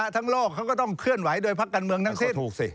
ทั้งโลกเขาก็ต้องเคลื่อนไหวโดยพักการเมืองนั้นเสร็จ